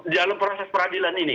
dalam proses peradilan ini